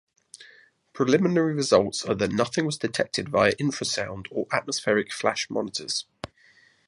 Preliminarily results are that nothing was detected via infrasound or atmospheric flash monitors.